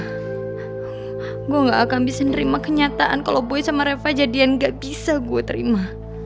hai gua nggak akan bisa nerima kenyataan kalau boy sama reva jadian nggak bisa gue terima